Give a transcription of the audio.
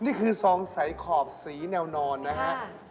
นี่คือสองสายขอบสีแนวนอนนะครับ